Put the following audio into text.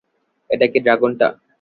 এটা কি ড্রাগনটা?